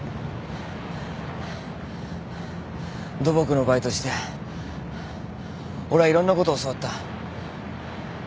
土木のバイトして俺はいろんなこと教わった。